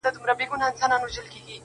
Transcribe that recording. د توري ټپ جوړېږي، د ژبي ټپ نه جوړېږي.